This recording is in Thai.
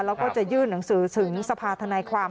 แล้วก็จะยื่นหนังสือถึงสภาธนายความ